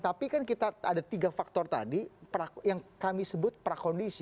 tapi kan kita ada tiga faktor tadi yang kami sebut prakondisi